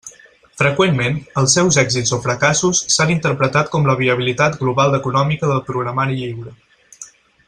Freqüentment, els seus èxits o fracassos s'han interpretat com la viabilitat global econòmica del programari lliure.